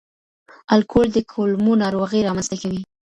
الکول د کولمو ناروغي رامنځ ته کوي.